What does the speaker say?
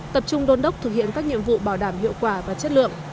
tập trung đôn đốc thực hiện các nhiệm vụ bảo đảm hiệu quả và chất lượng